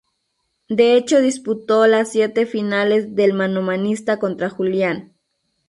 De hecho disputó las siete finales del manomanista contra Julián.